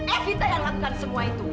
evita yang lakukan semua itu